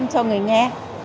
cho người nghe